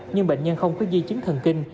nhưng bệnh nhân không có di chứng thần kinh